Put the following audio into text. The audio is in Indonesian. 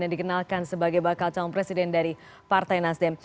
yang dikenalkan sebagai bakal calon presiden dari partai nasdem